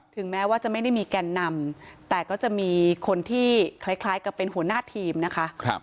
แม้ว่าจะไม่ได้มีแก่นนำแต่ก็จะมีคนที่คล้ายกับเป็นหัวหน้าทีมนะคะ